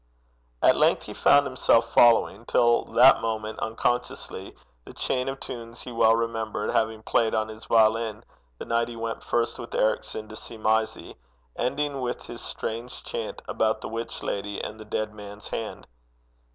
At length he found himself following, till that moment unconsciously, the chain of tunes he well remembered having played on his violin the night he went first with Ericson to see Mysie, ending with his strange chant about the witch lady and the dead man's hand.